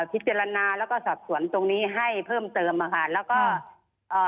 พิจารณาแล้วก็สอบสวนตรงนี้ให้เพิ่มเติมอ่ะค่ะแล้วก็เอ่อ